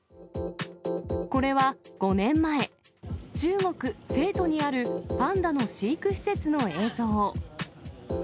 これは５年前、中国・成都にあるパンダの飼育施設の映像。